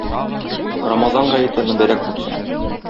Рамазан гаете мөбарәк булсын!